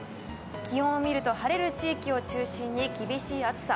気温を見ると晴れる地域を中心に厳しい暑さ。